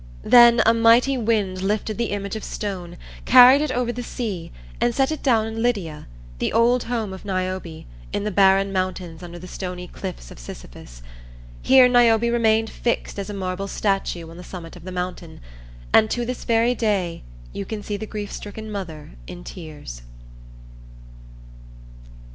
Then a mighty wind lifted the image of stone, carried it over the sea and set it down in Lydia, the old home of Niobe, in the barren mountains under the stony cliffs of Sipylus. Here Niobe remained fixed as a marble statue on the summit of the mountain, and to this very day you can see the grief stricken mother in tears.